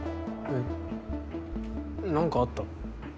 え何かあった？